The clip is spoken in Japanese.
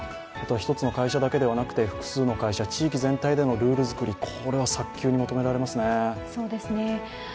一つの会社だけではなくて複数の会社、地域全体でのルール作り、これは早急に求められますね。